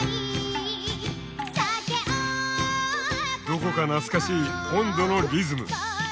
どこか懐かしい音頭のリズム。